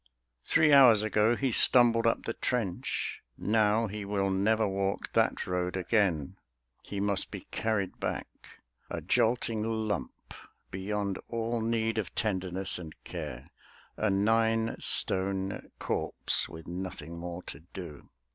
Three hours ago he stumbled up the trench; Now he will never walk that road again: He must be carried back, a jolting lump Beyond all need of tenderness and care; A nine stone corpse with nothing more to do.